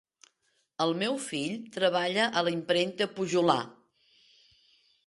El meu fill treballa a la impremta Pujolar.